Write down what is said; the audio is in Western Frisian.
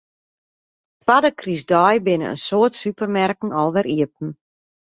Twadde krystdei binne in soad supermerken alwer iepen.